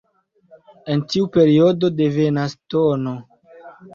El tiu periodo devenas tn.